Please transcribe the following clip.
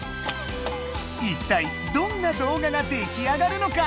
いったいどんな動画が出来上がるのか？